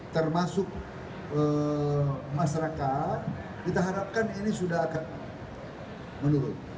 termasuk masyarakat kita harapkan ini sudah akan menurun